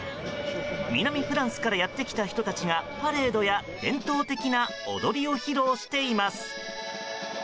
南フランスからやってきた人たちがパレードや伝統的な踊りを披露しています。